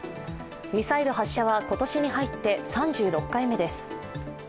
ミサイル発射は、今年に入って３６回目です。